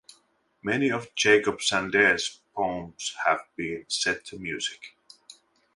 Many of Jakob Sande's poems have been set to music.